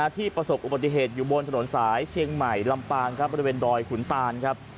ประสบอุบัติเหตุอยู่บนถนนสายเชียงใหม่ลำปางครับบริเวณดอยขุนตานครับ